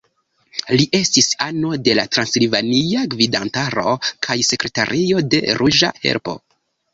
Li estis ano de la transilvania gvidantaro kaj sekretario de Ruĝa Helpo.